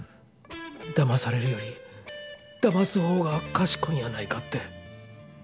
だまされるよりだます方がかしこいんやないかって。